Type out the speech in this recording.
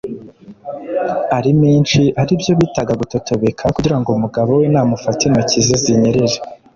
ari menshi ari byo bitaga gutotobeka kugira ngo umugabo we namufata intoki ze zinyerere.